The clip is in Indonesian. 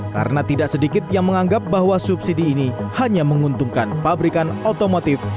karena tidak sedikit yang menganggap bahwa subsidi ini hanya menguntungkan pabrikan otomotif